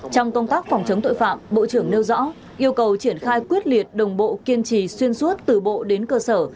trong công tác phòng chống tội phạm bộ trưởng nêu rõ yêu cầu triển khai quyết liệt đồng bộ kiên trì xuyên suốt từ bộ đến cơ sở